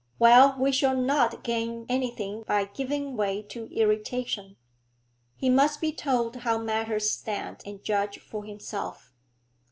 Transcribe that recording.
'Well, we shall not gain anything by giving way to irritation. He must be told how matters stand, and judge for himself.'